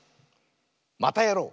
「またやろう！」。